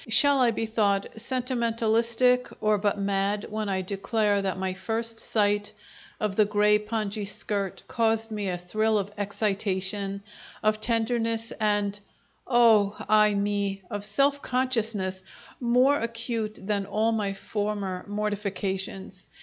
Shall I be thought sentimentalistic or but mad when I declare that my first sight of the grey pongee skirt caused me a thrill of excitation, of tenderness, and oh i me! of self consciousness more acute than all my former mortifications.